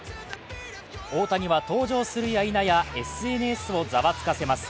大谷は登場するやいなやＳＮＳをざわつかせます。